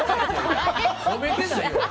褒めてないよ。